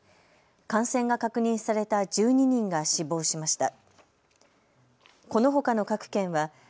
感染が確認された１２人が死亡しました。